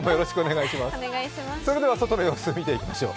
それでは外の様子を見ていきましょう。